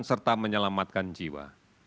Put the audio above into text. serta menyelamatkan jiwa